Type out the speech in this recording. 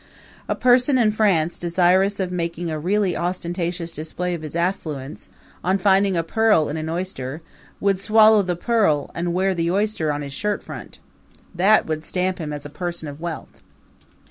A person in France desirous of making a really ostentatious display of his affluence, on finding a pearl in an oyster, would swallow the pearl and wear the oyster on his shirtfront. That would stamp him as a person of wealth.